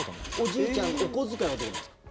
おじいちゃんお小遣いはどうなんですか？